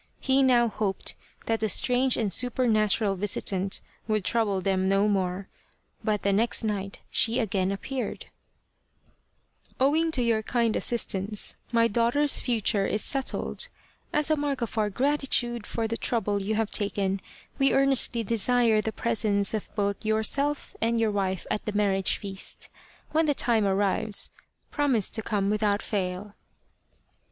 He now hoped that the strange and supernatural visitant 86 The Spirit of the Lantern would trouble them no more, but the next night she again appeared :" Owing to your kind assistance my daughter's future is settled. As a mark of our gratitude for the trouble you have taken, we earnestly desire the presence of both yourself and your wife at the marriage feast. When the time arrives promise to come with out fail."